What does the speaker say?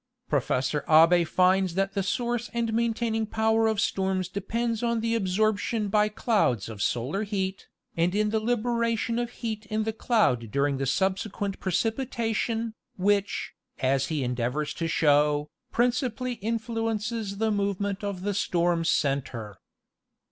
Professor Abbe finds that the source and maintaining power of storms depend on the absorption by clouds of solar heat, and in the liberation of heat in the cloud during the subsequent precipi tation, which, as he endeavors to show, principally influences the movement of the storm centre.